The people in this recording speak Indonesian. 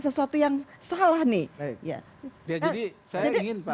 sesuatu yang salah nih